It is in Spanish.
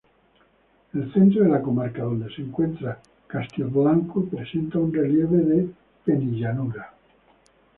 El centro de la comarca, donde se encuentra Castilblanco, presenta un relieve de penillanura.